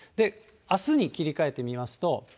あすに切り替えてみますと。